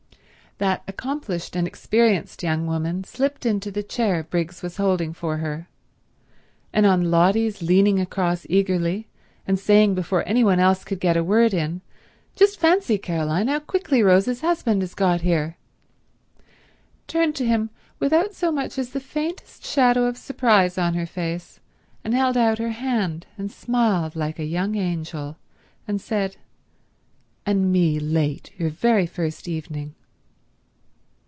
That accomplished and experienced young woman slipped into the chair Briggs was holding for her, and on Lotty's leaning across eagerly, and saying before any one else could get a word in, "Just fancy, Caroline, how quickly Rose's husband has got here!" turned to him without so much as the faintest shadow of surprise on her face, and held out her hand, and smiled like a young angel, and said, "and me late your very first evening."